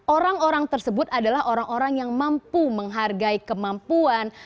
orang orang tersebut adalah orang orang yang mampu menghargai kemampuan